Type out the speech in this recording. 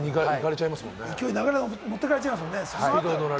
勢い、流れを持っていかれちゃいますもんね。